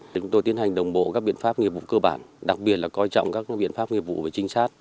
thì chúng tôi tiến hành đồng bộ các biện pháp nghiệp vụ cơ bản đặc biệt là coi trọng các biện pháp nghiệp vụ về trinh sát